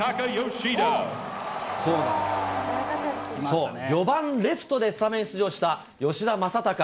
そう、４番レフトでスタメン出場した吉田正尚。